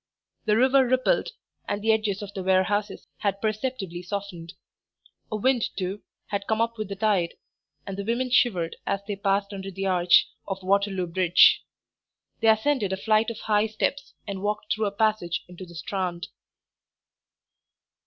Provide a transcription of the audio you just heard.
The river rippled, and the edges of the warehouses had perceptibly softened; a wind, too, had come up with the tide, and the women shivered as they passed under the arch of Waterloo Bridge. They ascended a flight of high steps and walked through a passage into the Strand.